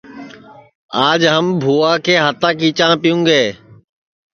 آج ہم بھوا کے ہاتا کی چاں پیوں گے